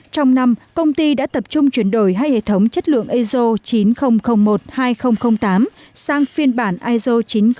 trong năm công ty đã tập trung chuyển đổi hai hệ thống chất lượng iso chín nghìn một hai nghìn tám sang phiên bản iso chín nghìn một hai nghìn một mươi năm